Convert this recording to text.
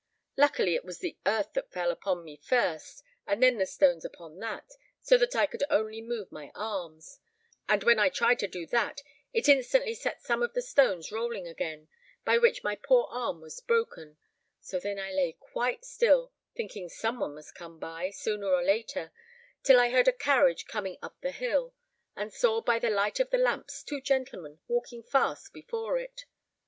Luckily it was the earth fell upon me first, and then the stones upon that, so that I could only move my arms; and when I tried to do that, it instantly set some of the stones rolling again, by which my poor arm was broken; so then I lay quite still, thinking some one must come by, sooner or later, till I heard a carriage coming up the hill, and saw by the light of the lamps two gentlemen walking fast before it.